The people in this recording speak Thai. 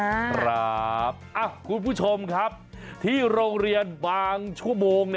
คุณผู้ชมครับที่โรงเรียนบางชั่วโมง